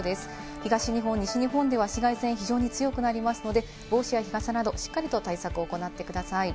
東日本、西日本では紫外線、非常に強くなりますので、帽子や日傘などしっかりと対策を行ってください。